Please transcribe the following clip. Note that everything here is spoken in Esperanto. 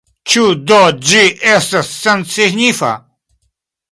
Ĉu do ĝi estas sensignifa?